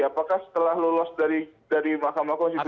apakah setelah lolos dari mahkamah konstitusi